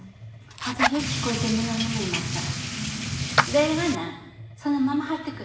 私は聞こえても何もいません。